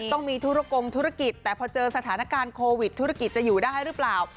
ต้องมีธุรกงธุรกิจแต่พอเจอสถานการณ์โควิดธุรกิจจะอยู่ได้หรือเปล่า